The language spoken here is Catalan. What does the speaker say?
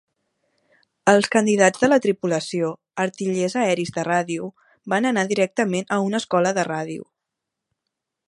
Els candidats de la tripulació "artillers aeris de ràdio" van anar directament a una escola de ràdio.